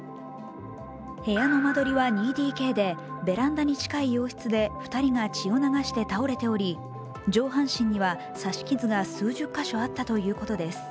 部屋の間取りは２ＤＫでベランダに近い洋室で２人が血を流して倒れており上半身には刺し傷が数十カ所あったということです。